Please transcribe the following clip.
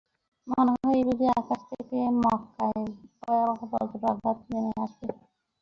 মনে হয়, এই বুঝি আকাশ থেকে মক্কায় ভয়াবহ বজ্রাঘাত নেমে আসবে।